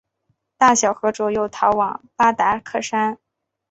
大小和卓又逃往巴达克山。